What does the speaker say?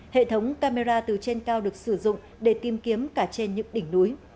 hệ thống camera từ trên cao được sử dụng để tìm kiếm cả trên những đỉnh núi